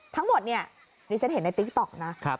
ทั้งหมดเนี่ยดิฉันเห็นในติ๊กต๊อกนะ